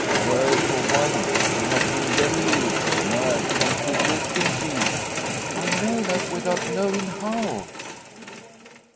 "Well; for one, you have been very ill nigh unto death, indeed." "I know that, without knowing how."